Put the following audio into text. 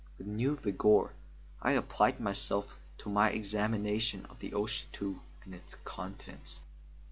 With new vigour I applied myself to my examination of the old chateau and its contents.